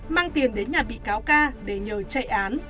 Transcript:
mang tiền đến nhà bị cáo ca để nhờ chạy án